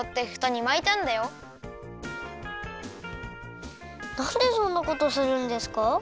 水でなんでそんなことするんですか？